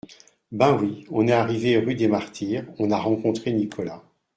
Ben oui, on est arrivés rue des Martyrs, on a rencontré Nicolas